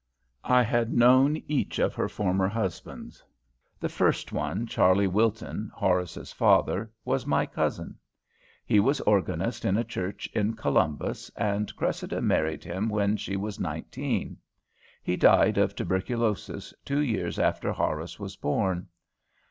I had known each of her former husbands. The first one, Charley Wilton, Horace's father, was my cousin. He was organist in a church in Columbus, and Cressida married him when she was nineteen. He died of tuberculosis two years after Horace was born.